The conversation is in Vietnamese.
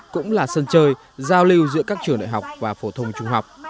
cũng là sân chơi giao lưu giữa các trường đại học và phổ thông trung học